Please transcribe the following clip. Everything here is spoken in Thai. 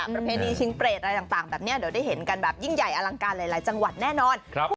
ประเพณีชิงเปรตอะไรต่างแบบนี้เดี๋ยวได้เห็นกันแบบยิ่งใหญ่อลังการหลายจังหวัดแน่นอน